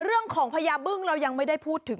เรื่องของพญาเบิ้งเรายังไม่ได้พูดถึง